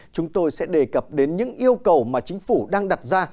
chúng tôi sẽ đề cập đến những yêu cầu mà chính phủ đang đặt ra